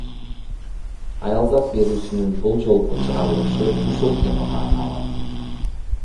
Аялзат берүүсүнүн бул жолку чыгарылышы ушул темага арналат.